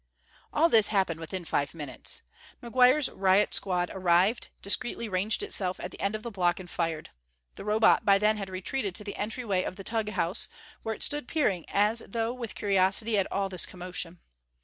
All this happened within five minutes. McGuire's riot squad arrived, discreetly ranged itself at the end of the block and fired. The Robot by then had retreated to the entryway of the Tugh house, where it stood peering as though with curiosity at all this commotion.